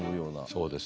そうですね。